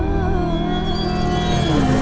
jangan sampai aku kemana mana